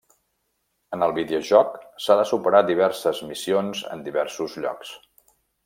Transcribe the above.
En el videojoc s'ha de superar diverses missions en diversos llocs.